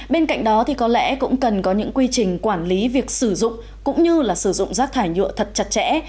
bên cạnh đó thì có lẽ cũng cần có những quy trình quản lý việc sử dụng cũng như sử dụng rác thải nhựa thật chặt chẽ